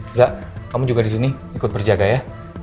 riza kamu juga disini ikut berjaga ya